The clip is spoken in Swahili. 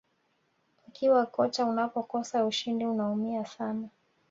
ukiwa kocha unapokosa ushindi unaumia sana